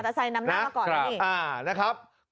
โมเตอร์ไซต์นำหน้ามาก่อนนะนี่